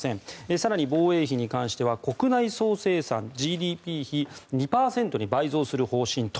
更に、防衛費に関しては国内総生産・ＧＤＰ比２％に倍増する方針と。